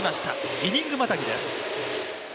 イニングまたぎです。